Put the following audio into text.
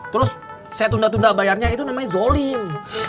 terus saya tunda tunda bayarnya itu namanya zolim